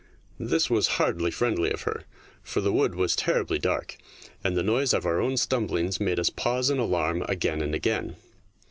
This was hardly friendly of her, for the wood was terribly dark, and the noise of our own stumblings made us pause in alarm again and again.